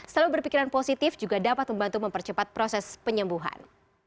selalu berpikiran positif juga dapat membantu mempercepat proses penyembuhan